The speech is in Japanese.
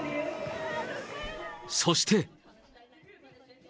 そして。